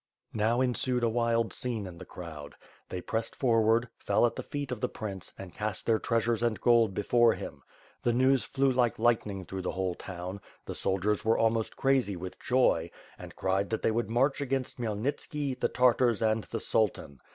Now ensued a wild scene in the crowd. They pressed for ward, fell at the feet of the prince and cast their treasures and gold before him. The news flew like lightning through the whole town, the soldiers were almost crazy with joy, and cried that they would march against Khmyelnitski, the Tar tars and the Sultan.